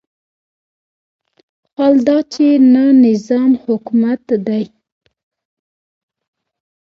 حال دا چې نه نظام حکومت دی.